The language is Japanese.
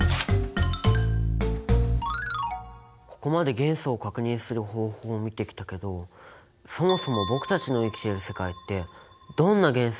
ここまで元素を確認する方法を見てきたけどそもそも僕たちの生きてる世界ってどんな元素がどんな割合で存在しているんだろう？